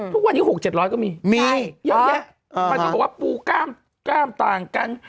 ทุกวันนี้๖๗๐๐ก็มีมีเยอะแยะมันก็บอกว่าปูกล้ามต่างกัน